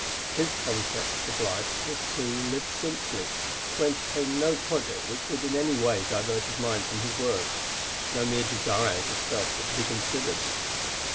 His concept of life was to live simply, to entertain no project which would in any way divert his mind from his work. No mere desires of self were to be considered.